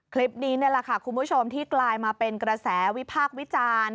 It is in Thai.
คลิปนี้นี่แหละค่ะคุณผู้ชมที่กลายมาเป็นกระแสวิพากษ์วิจารณ์